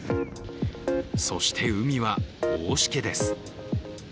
そして、海は大しけです。